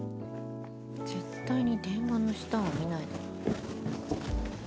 「絶対に電話の下は見ないで」。